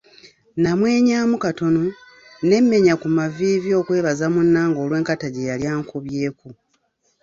Namwenyaamu katono ne mmenya ku maviivi okwebaza munnange olw'enkata gye yali ankubyeko.